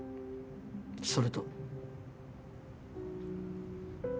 それと。